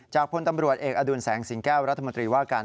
พลตำรวจเอกอดุลแสงสิงแก้วรัฐมนตรีว่าการ